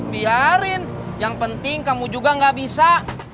biarin yang penting kamu juga gak bisa